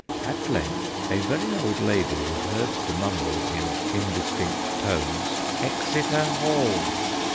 At length, a very old lady was heard to mumble, in indistinct tones, " Exeter Hall."